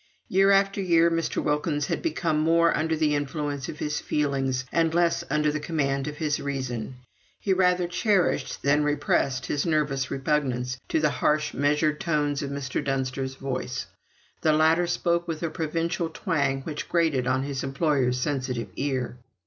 Year after year Mr. Wilkins had become more under the influence of his feelings, and less under the command of his reason. He rather cherished than repressed his nervous repugnance to the harsh measured tones of Mr. Dunster's voice; the latter spoke with a provincial twang which grated on his employer's sensitive ear.